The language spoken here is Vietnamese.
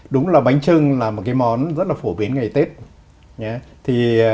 đúng là bánh trưng là một món rất phổ biến ngày tết